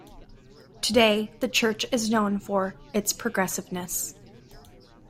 Today the church is known for its progressiveness.